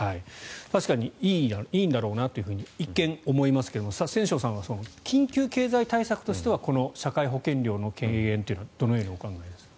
確かにいいんだろうなと一見、思いますが千正さんは緊急経済対策としては社会保険料の軽減というのはどのようにお考えですか。